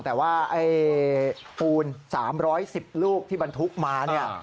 แต่ว่าคูณ๓๑๐ลูกที่มันทุกข์มา